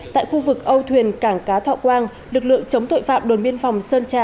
tại khu vực âu thuyền cảng cá thọ quang lực lượng chống tội phạm đồn biên phòng sơn tra